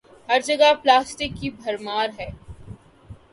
ہر جگہ پلاسٹک کی بھرمار ہے۔